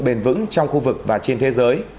bền vững trong khu vực và trên thế giới